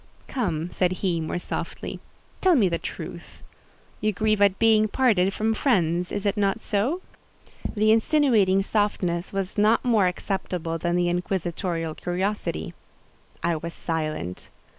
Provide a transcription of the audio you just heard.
"Come," said he, more softly, "tell me the truth—you grieve at being parted from friends—is it not so?" The insinuating softness was not more acceptable than the inquisitorial curiosity. I was silent.